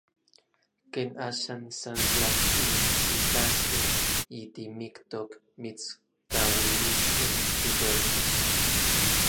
Ken axan, san tla mitsitaskej yitimiktok mitskauiliskej tiyoltos.